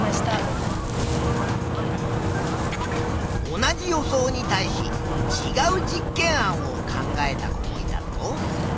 同じ予想に対しちがう実験案を考えた子もいたぞ。